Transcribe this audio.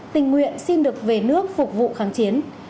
tình nguyện xin được về nước phục vụ kháng chiến